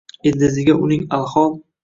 Ildiziga uning alhol